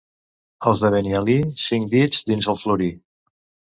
Els de Benialí, cinc dits dins el florí.